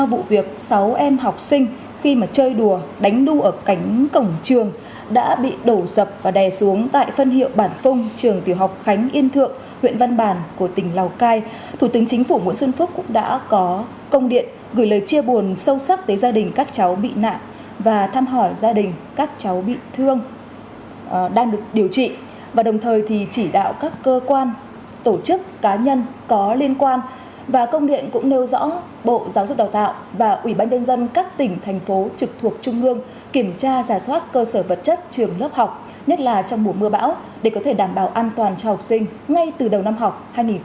bộ giáo dục đào tạo và ủy ban nhân dân các tỉnh thành phố trực thuộc trung ương kiểm tra giả soát cơ sở vật chất trường lớp học nhất là trong mùa mưa bão để có thể đảm bảo an toàn cho học sinh ngay từ đầu năm học hai nghìn hai mươi hai nghìn hai mươi một